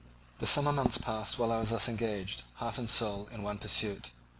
The summer months passed while I was thus engaged, heart and soul, in one pursuit.